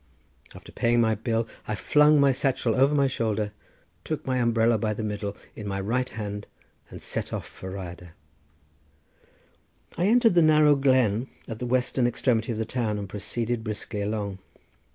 After paying my bill I flung my satchel over my shoulder, took my umbrella by the middle in my right hand, and set off for the Rhyadr. I entered the narrow glen at the western extremity of the town and proceeded briskly along.